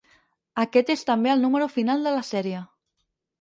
Aquest és també el número final de la sèrie.